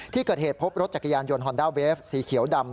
ที่เกิดเหตุพบรถจักรยานยนต์ฮอนด้าเวฟสีเขียวดำ